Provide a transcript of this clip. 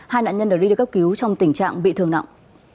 hai nạn nhân đã đi được cấp cứu trong tình trạng bị thương nặng